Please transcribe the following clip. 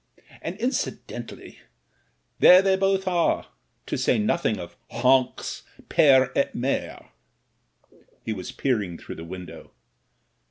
And, incidentally, there they both are, to say nothing of Honks pere et mere,'' He was peering through the window.